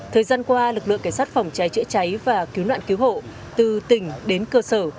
thời gian qua lực lượng cảnh sát phòng cháy chữa cháy và cứu nạn cứu hộ từ tỉnh đến cơ sở